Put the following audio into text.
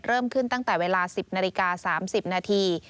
เริ่มขึ้นตั้งแต่เวลา๑๐นาฬิกา๓๐นาที